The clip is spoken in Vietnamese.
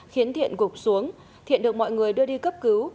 khiến thiện gục xuống thiện được mọi người đưa đi cấp cứu